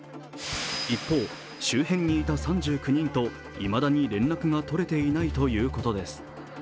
一方、周辺にいた３９人といまだに連絡が取れていないということです。